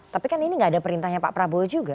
tapi kan ini nggak ada perintahnya pak prabowo juga